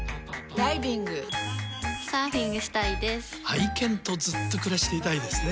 愛犬とずっと暮らしていたいですね。